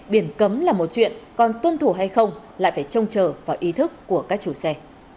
biển cấm là một chuyện còn tuân thủ hay không lại phải trông chờ vào ý thức của các chủ xe